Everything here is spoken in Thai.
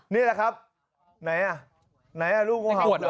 นี่แหละครับไหนอ่ะไหนอ่ะลูกงูเห่าเหรอ